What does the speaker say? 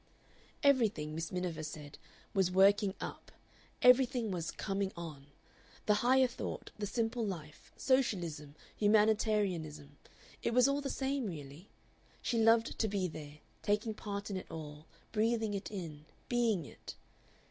Everything, Miss Miniver said, was "working up," everything was "coming on" the Higher Thought, the Simple Life, Socialism, Humanitarianism, it was all the same really. She loved to be there, taking part in it all, breathing it, being it.